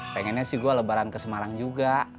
pengennya sih gue lebaran ke semarang juga